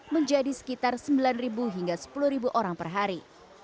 menjadi sekitar sembilan hingga sepuluh orang per hari